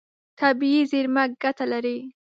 طبیعي زیرمه ګټه لري.